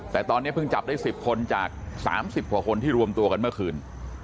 แต่ตอนนี้เพิ่งจับได้๑๐คนจาก๓๐กว่าคนที่รวมตัวกันเมื่อคืน